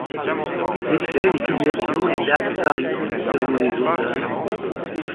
Les faits, les filiations, les dates, varient selon les auteurs.